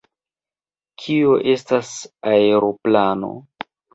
Kio estas aeroplano?